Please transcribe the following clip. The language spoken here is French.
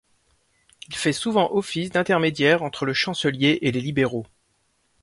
Il fait souvent office d'intermédiaire entre le chancelier et les libéraux.